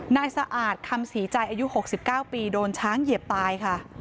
นายสะอาดคำศรีใจอายุ๖๙ปีโดนช้างเหยียบตายค่ะ